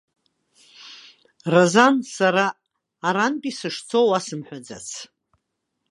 Разан, сара арантәи сышцо уасымҳәаӡац.